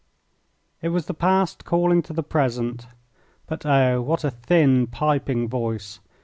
It was the past calling to the present. But oh, what a thin, piping voice!